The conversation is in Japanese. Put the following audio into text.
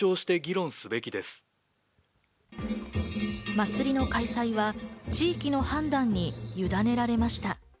祭りの開催は地域の判断にゆだねられました。